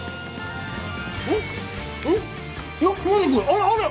あれあれ？